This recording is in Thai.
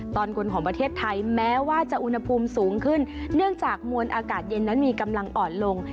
ตอนบนของประเทศไทยแม้ว่าจะอุณหภูมิสูงขึ้นเนื่องจากมวลอากาศเย็นนั้นมีกำลังอ่อนลง